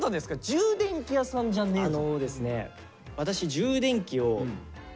「充電器屋さんじゃねえぞ」。